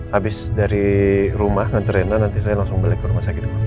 habis dari rumah nanti saya langsung balik ke rumah sakit kamu